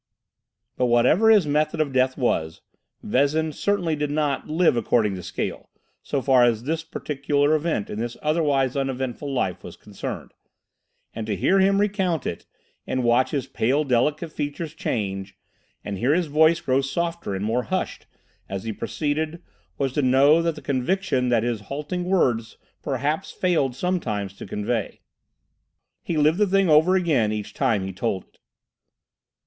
But, whatever his method of death was, Vezin certainly did not "live according to scale" so far as this particular event in his otherwise uneventful life was concerned; and to hear him recount it, and watch his pale delicate features change, and hear his voice grow softer and more hushed as he proceeded, was to know the conviction that his halting words perhaps failed sometimes to convey. He lived the thing over again each time he told it.